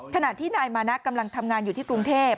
ขณะที่นายมานะกำลังทำงานอยู่ที่กรุงเทพ